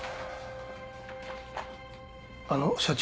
あの社長。